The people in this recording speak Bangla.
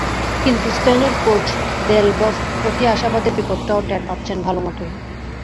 কিন্তু স্পেনের কোচ দেল বস্ক অতি আশাবাদের বিপদটাও টের পাচ্ছেন ভালোমতোই।